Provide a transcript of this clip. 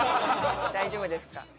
大丈夫ですか？